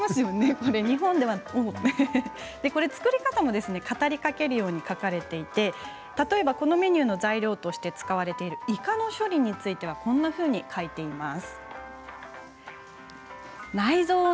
作り方も語りかけるように書かれていて例えばこのメニューの材料として使われているいかの処理についてはこんなふうに書いています。